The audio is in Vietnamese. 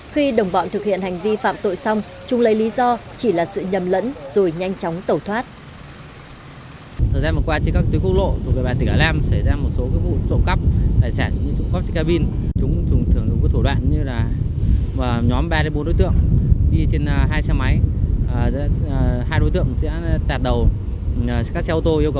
khi đồng bọn thực hiện hành vi phạm tội xong chúng lấy lý do chỉ là sự nhầm lẫn rồi nhanh chóng tẩu thoát